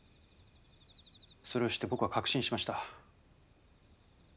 それを知って僕は確信しました。